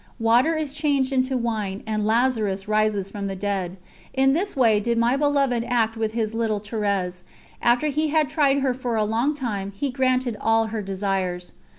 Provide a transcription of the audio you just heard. Water is changed into wine, and Lazarus rises from the dead. In this way did my Beloved act with His little Thérèse; after He had tried her for a long time He granted all her desires.